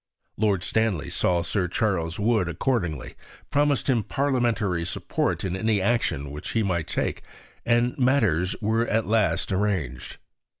Lord Stanley saw Sir Charles Wood accordingly, promised him parliamentary support in any action which he might take, and matters were at last arranged.